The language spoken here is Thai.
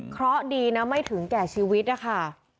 เพราะดีนะไม่ถึงแก่ชีวิตนะคะ